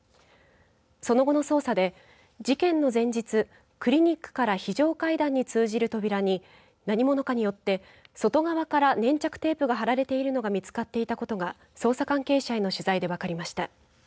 その後の捜査で事件の前日、クリニックから非常階段に通じる扉に何者かによって外側から粘着テープが貼られているのが見つかったことが捜査関係者への取材で分かりました。